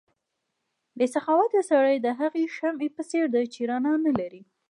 بې سخاوته سړی د هغې شمعې په څېر دی چې رڼا نه لري.